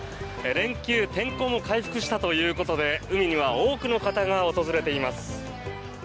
連休天候も回復したということで海には多くの方が訪れています。